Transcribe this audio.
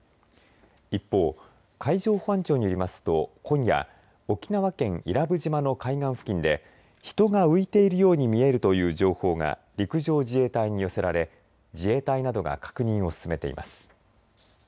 一方、海上保安庁によりますと今夜、沖縄県伊良部島の海岸付近で人が浮いているようにみえるという情報が陸上自衛隊に寄せられ自衛隊などが確認を進めています。